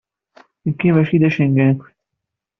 Nekk mačči d acengu-nkent.